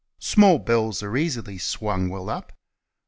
Small bells are easily swung well up.